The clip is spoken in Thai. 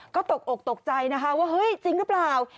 ก็ตกอกตกใจนะคะว่าเฮ้ยจริงหรือเปล่า